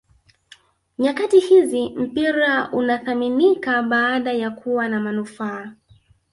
nyakati hizi mpira unathaminika baada ya kuwa na manufaa